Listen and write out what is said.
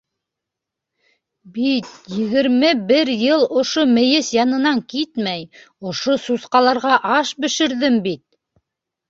Бит, егерме бер йыл ошо мейес янынан китмәй, ошо сусҡаларға аш бешерҙем бит.